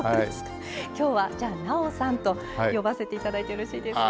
きょうはじゃあ「なおさん」と呼ばせていただいてよろしいですか？